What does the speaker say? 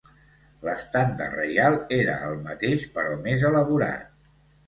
L'estendard reial era el mateix però més elaborat.